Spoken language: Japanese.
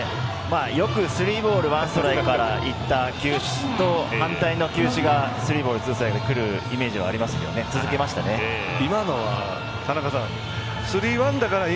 よくスリーボールワンストライクからいった球種と反対の球種がくるイメージはありますよね。